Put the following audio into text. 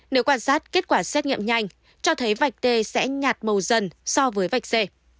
nếu quan sát kết quả xét nghiệm nhanh cho thấy vạch tê sẽ nhạt màu dần so với vạch c